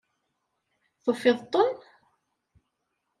Tufiḍ-ten?